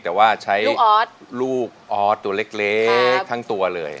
แต่ว่าใช้ลูกออสตัวเล็กทั้งตัวเลย